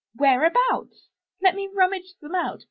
"Whereabouts? Let me rummage them out.